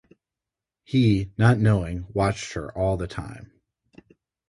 He, not knowing, watched her all the time.